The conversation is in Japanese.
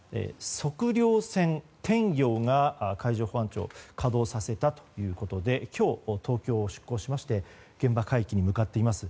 測量船「天洋」を海上保安庁が稼働させたということで今日、東京を出航して現場海域に向かっています。